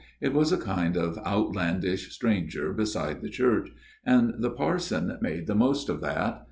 It was a kind of outlandish stranger beside the church ; and the parson made the most of that.